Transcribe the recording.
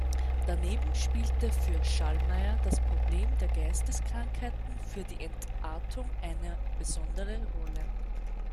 Daneben spielte für Schallmayer das Problem der Geisteskrankheiten für die Entartung eine besondere Rolle.